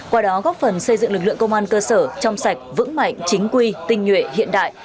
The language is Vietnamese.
qua đó góp phần xây dựng lực lượng công an cơ sở trong sạch vững mạnh chính quy tinh nhuệ hiện đại